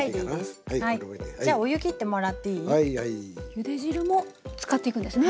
ゆで汁も使っていくんですね